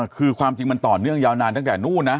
คือความจริงมันต่อเนื่องยาวนานตั้งแต่นู้นนะ